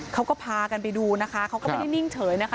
เขาก็พากันไปดูนะคะเขาก็ไม่ได้นิ่งเฉยนะคะ